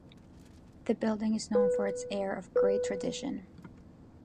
The building is known for its air of great tradition.